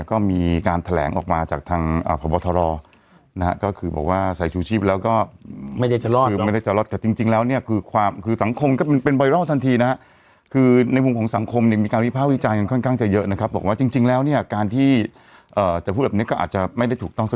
ก็มีการแถลงออกมาจากทางพบทรนะฮะก็คือบอกว่าใส่ชูชีพแล้วก็ไม่ได้จะรอดคือไม่ได้จะรอดแต่จริงแล้วเนี่ยคือความคือสังคมก็เป็นไวรัลทันทีนะฮะคือในมุมของสังคมเนี่ยมีการวิภาควิจารณ์กันค่อนข้างจะเยอะนะครับบอกว่าจริงแล้วเนี่ยการที่จะพูดแบบนี้ก็อาจจะไม่ได้ถูกต้องส